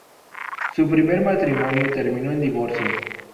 Su primer matrimonio terminó en divorcio.